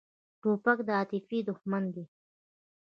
توپک د عاطفې دښمن دی.